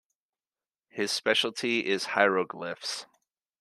His specialty is hieroglyphs.